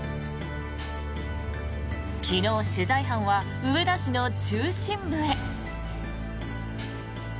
昨日、取材班は上田市の中心部へ。